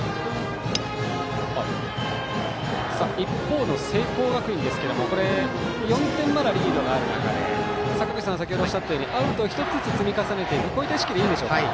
一方の聖光学院ですがまだ４点リードがある中で坂口さんが先程おっしゃったようアウトを１つずつ積み重ねる意識でいいんでしょうか。